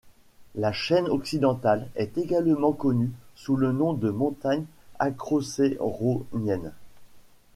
La chaîne occidentale est également connue sous le nom de montagnes Acrocérauniennes.